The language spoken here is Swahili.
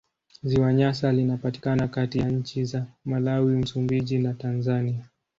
Ziwa Nyasa linapatikana kati ya nchi za Malawi, Msumbiji na Tanzania.